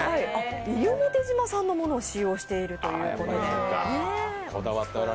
西表島産のものを使用しているということです。